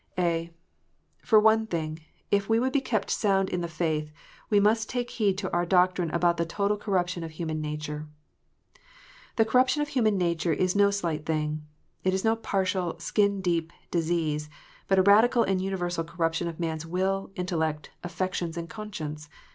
(a) For one thing, if we would be kept sound in the faith, we must take heed to our doctrine about the total corruption of human nature. The corruption of human nature is no slight thing. It is no partial, skin deep disease, but a radical and universal corruption of man s will, intellect, affections, and conscience.